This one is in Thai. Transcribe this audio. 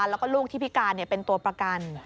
แล้วก็ลูกที่พิการเป็นตัวประกัน